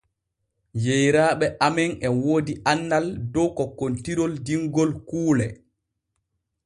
Yeyraaɓe amen e woodi annal dow kokkontirol dingol kuule.